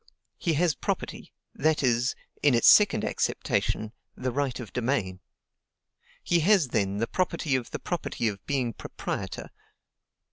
He has property; that is, in its second acceptation, the right of domain. He has, then, the property of the property of being proprietor.